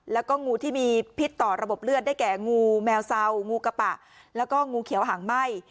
แล้วก็งูที่มีพิษต่อระบบเลือดได้แก่งูแมวเซางูกระปะแล้วก็งูเขียวหางไหม้